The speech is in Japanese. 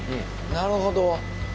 なるほど。